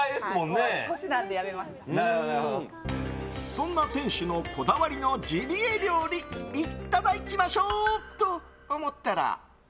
そんな店主のこだわりのジビエ料理いただきましょう。と思ったら。